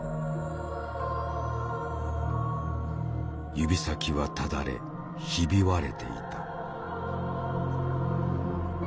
指先はただれひび割れていた。